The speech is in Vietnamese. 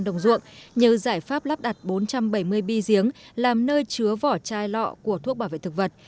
đồng ruộng như giải pháp lắp đặt bốn trăm bảy mươi bi giếng làm nơi chứa vỏ chai lọ của thuốc bảo vệ thực vật